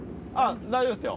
大丈夫ですよ。